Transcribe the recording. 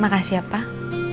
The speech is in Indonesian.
makasih ya pak